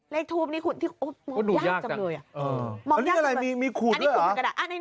เลขทุบมองยากจำเลย